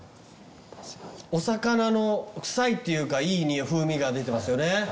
お魚の臭いっていうかいい風味が出てますよね。